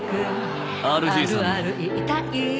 ＲＧさんの。